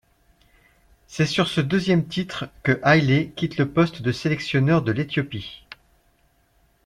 C'est sur ce deuxième titre que Haile quitte le poste de sélectionneur de l'Éthiopie.